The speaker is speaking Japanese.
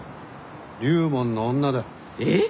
龍門の女だ。え？